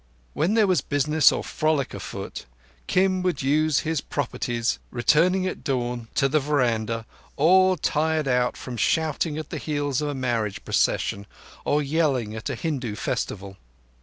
When there was business or frolic afoot, Kim would use his properties, returning at dawn to the veranda, all tired out from shouting at the heels of a marriage procession, or yelling at a Hindu festival.